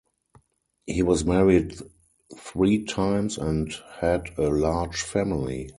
He was married three times and had a large family.